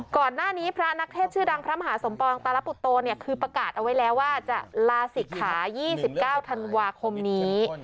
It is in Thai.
ก่อนหน้านี้พระนักเทศชื่อดังพระมหาสมปองตาลปุตโตเนี่ยคือประกาศเอาไว้แล้วว่าจะลาศิกขา๒๙ธันวาคมนี้